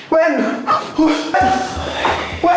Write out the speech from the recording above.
เว็นเว้น